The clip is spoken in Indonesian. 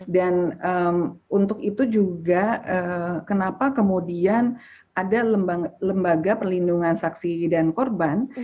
dan untuk itu juga kenapa kemudian ada perlembaga perlindungan ke saksi dan korban